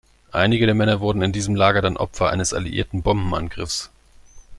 Einige der Männer wurden in diesem Lager dann Opfer eines alliierten Bombenangriffs.